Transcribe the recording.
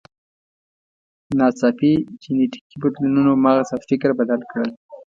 ناڅاپي جینټیکي بدلونونو مغز او فکر بدل کړل.